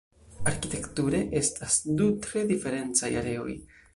Arkitekture estas du tre diferencaj areoj.